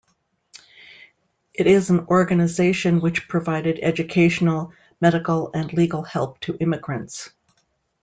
It is an organization which provided educational, medical and legal help to immigrants.